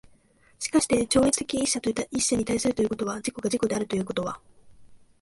しかして超越的一者に対することによって自己が自己であるということは、